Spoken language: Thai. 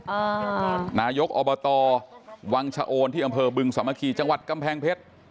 นายกอบตวังชะโอนที่อำเภอบึงสามัคคีจังหวัดกำแพงเพชร